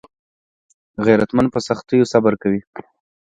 غیرتمند په سختیو صبر کوي